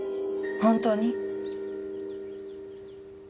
本当に？